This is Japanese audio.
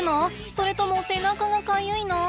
それとも背中がかゆいの？